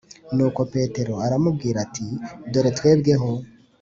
Nuko Petero aramubwira ati Dore twebweho